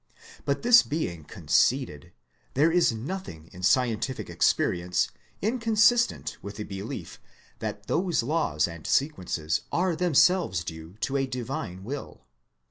But this being conceded, there is nothing in scientific experience inconsistent with the belief that those laws and sequences are themselves due to a divine will.